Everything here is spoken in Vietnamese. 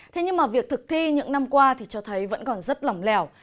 thế nhưng việc thực thi những năm qua cho thấy vẫn còn rất lỏng lẻo